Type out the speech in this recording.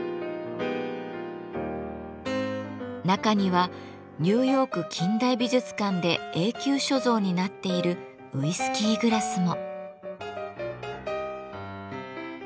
中にはニューヨーク近代美術館で永久所蔵になっているウイスキーグラスも。